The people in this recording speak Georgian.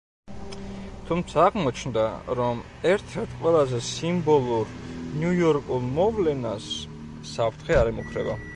თუმცა აღმოჩნდა, რომ ერთ-ერთ ყველაზე სიმბოლურ ნიუ-იორკულ მოვლენას, საფრთხე არ ემუქრება.